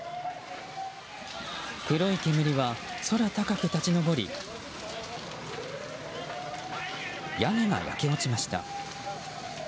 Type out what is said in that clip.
黒い煙は空高く立ち上り屋根が焼け落ちました。